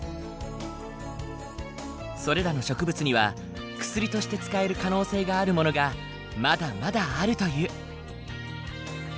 それらの植物には薬として使える可能性があるものがまだまだあるという。